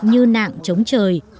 như nạng chống trời